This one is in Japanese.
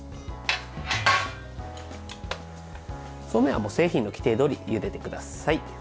そうめんは製品の規定どおりゆでてください。